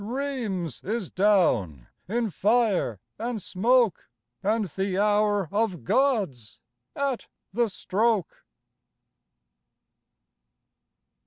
Rheims is down in fire and smoke And the hour of God's at the stroke.